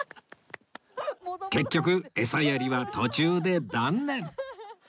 結局エサやりは途中で断念